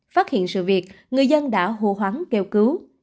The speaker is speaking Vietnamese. phát hiện sự việc người dân đã hô hoáng kêu cứu